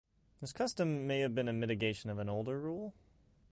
This custom may have been a mitigation of an older rule.